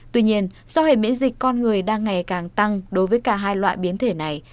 tuy nhiên do hệ miễn dịch con người đang ngày càng tăng đối với cả hai loại biến thể này